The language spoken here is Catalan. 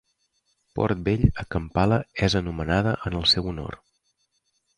Port Bell a Kampala és anomenada en el seu honor.